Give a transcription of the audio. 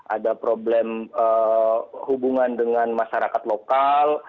ada problem hubungan dengan masyarakat lokal